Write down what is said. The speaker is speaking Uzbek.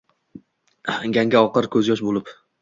Ganga oqar ko’zyosh bo’lib